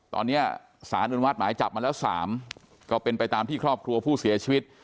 ตอนนี้สารอนุมัติหมายจับมาแล้ว๓ก็เป็นไปตามที่ครอบครัวผู้เสียชีวิต